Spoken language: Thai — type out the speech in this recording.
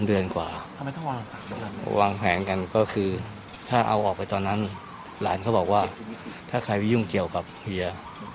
วางแผนกันก็คือถ้าเอาออกไปตอนนั้นหลานเขาบอกว่าถ้าใครไปยุ่งเกี่ยวกับเฮีย